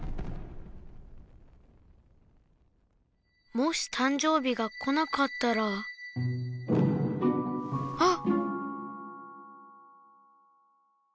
もしたんじょう日が来なかったらあっ！